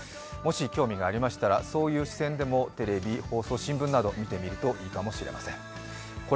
もし、興味がありましたらそういう視線でもテレビ、放送、新聞などを見てみるといいかもしれません。